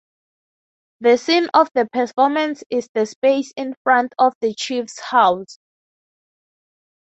The scene of the performance is the space in front of the chief's house.